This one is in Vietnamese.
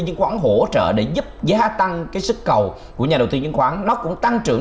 chứng khoán hỗ trợ để giúp giá tăng cái sức cầu của nhà đầu tiên chứng khoán nó cũng tăng trưởng